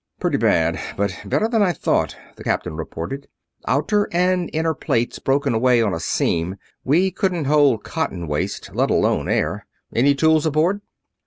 "Pretty bad, but better than I thought," the captain reported. "Outer and inner plates broken away on a seam. We wouldn't hold cotton waste, let alone air. Any tools aboard?"